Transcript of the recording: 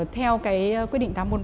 theo cái quyết định tám trăm bốn mươi bốn